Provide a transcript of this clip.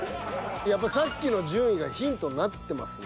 さっきの順位がヒントになってますね